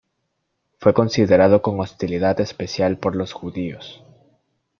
Fue considerado con hostilidad especial por los Judíos.